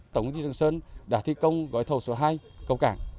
tổng thị trường sơn đã thi công gói thầu số hai cầu cảng